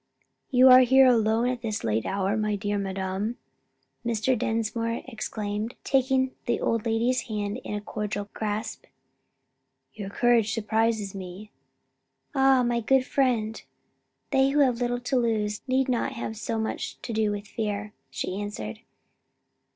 "You here and alone at this late hour, my dear madam!" Mr. Dinsmore exclaimed, taking the old lady's hand in a cordial grasp, "your courage surprises me." "Ah, my good friend, they who have little to lose, need not have much to do with fear," she answered.